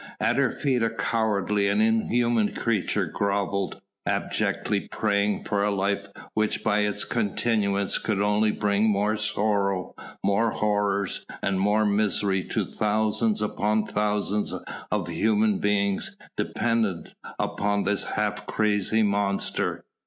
At her feet a cowardly and inhuman creature grovelled, abjectly praying for a life which by its continuance could only bring more sorrow, more horrors and more misery to thousands upon thousands of human beings dependent on this half crazy monster.